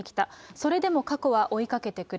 それでも過去は追いかけてくる。